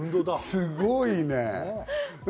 すごいね。